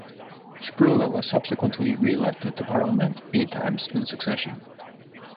Sproule was subsequently re-elected to Parliament eight times in succession.